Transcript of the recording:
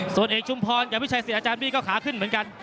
ส่วนเอกชุมพลสนโรงเรียนกับพิชัยสิทธิ์อาจารย์บี่ก็ขาขึ้นเหมือนกัน